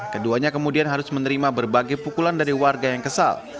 keduanya kemudian harus menerima berbagai pukulan dari warga yang kesal